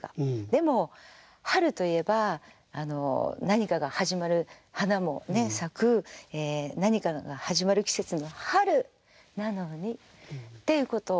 でも春といえば何かが始まる花もね咲く何かが始まる季節の「春！なのに」っていうことを。